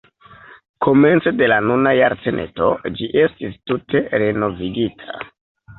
Komence de la nuna jarcento ĝi estis tute renovigita.